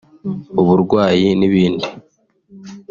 uburwayi n’ibindi